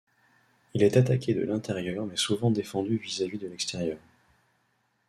Il est attaqué de l'intérieur mais souvent défendu vis-à-vis de l'extérieur.